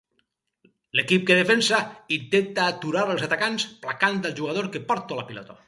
L'equip que defensa intenta aturar els atacants placant al jugador que porta la pilota.